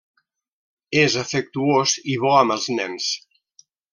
És afectuós, i bo amb els nens.